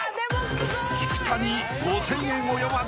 ［菊田に５，０００円及ばず］